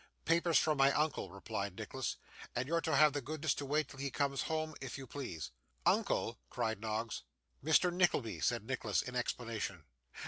'Papers from my uncle,' replied Nicholas; 'and you're to have the goodness to wait till he comes home, if you please.' 'Uncle!' cried Noggs. 'Mr. Nickleby,' said Nicholas in explanation.